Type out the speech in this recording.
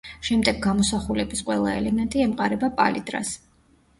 შემდეგ გამოსახულების ყველა ელემენტი ემყარება პალიტრას.